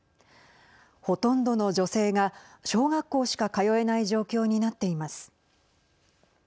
ほとんどの女性が小学校しか通えない状況になっています。